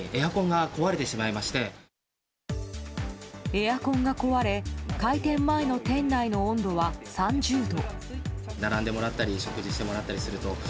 エアコンが壊れ開店前の店内の温度は３０度。